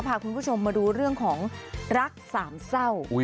พาคุณผู้ชมมาดูเรื่องของรักสามเศร้า